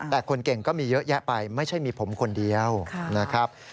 แต่คนเก่งก็มีเยอะแยะไปไม่ใช่มีผมคนเดียวนะครับ